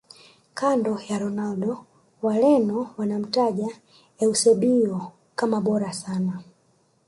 Kando ya Ronaldo wareno wanamtaja eusebio kama bora sana